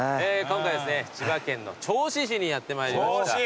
今回は千葉県の銚子市にやってまいりました。